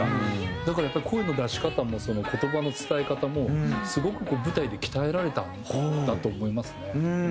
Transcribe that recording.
だからやっぱり声の出し方も言葉の伝え方もすごく舞台で鍛えられたんだと思いますね。